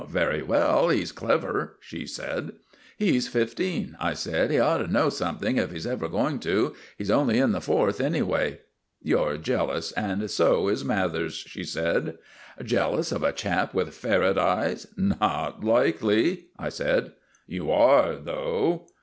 "Very well. He's clever," she said. "He's fifteen," I said; "he ought to know something if he's ever going to. He's only in the Fourth, anyway." "You're jealous and so is Mathers," she said. "Jealous of a chap with ferret eyes! Not likely," I said. "You are, though."